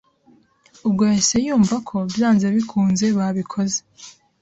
ubwo yahise yumva ko byanze bikunze babikoze